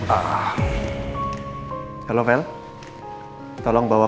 apa keadaan bapak